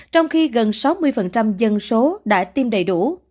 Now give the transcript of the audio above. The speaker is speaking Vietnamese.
trong khi gần sáu mươi dân số đã tiêm đầy đủ